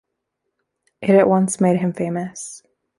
It at once made him famous.